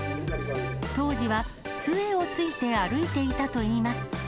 当時はつえをついて歩いていたといいます。